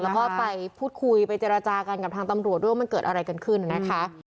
แล้วก็ไปพูดคุยไปเจรจากันกับทางตำรวจด้วยว่ามันเกิดอะไรกันขึ้นนะคะ